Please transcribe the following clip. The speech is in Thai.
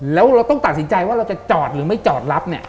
แล้วเราต้องตัดสินใจว่าเราจะจอดหรือไม่จอดรับเนี่ย